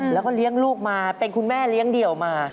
แล้วก็เลี้ยงลูกมาเป็นคุณแม่เลี้ยงเดี่ยวมา